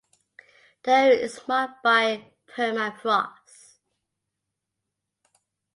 The area is marked by permafrost.